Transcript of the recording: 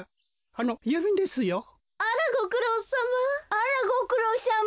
あらごくろうさま。